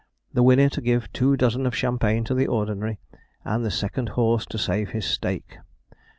The winner to give two dozen of champagne to the ordinary, and the second horse to save his stake.